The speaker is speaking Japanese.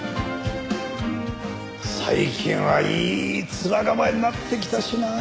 最近はいい面構えになってきたしな。